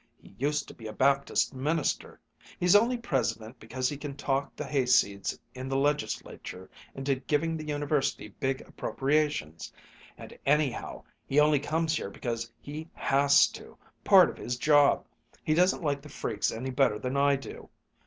He used to be a Baptist minister. He's only President because he can talk the hayseeds in the Legislature into giving the University big appropriations. And anyhow, he only comes here because he has to part of his job. He doesn't like the freaks any better than I do.